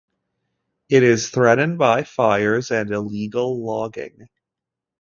It is threatened by fires and illegal logging.